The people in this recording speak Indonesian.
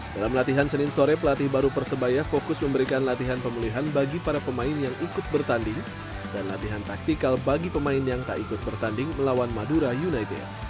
dalam latihan senin sore pelatih baru persebaya fokus memberikan latihan pemulihan bagi para pemain yang ikut bertanding dan latihan taktikal bagi pemain yang tak ikut bertanding melawan madura united